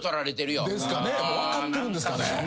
ですかね？